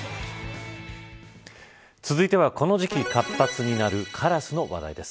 続いては、この時期活発になるカラスの話題です。